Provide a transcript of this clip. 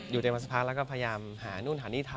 อยู่ตัวเองมาสักพักแล้วก็พยายามหานู่นหานี่ทำ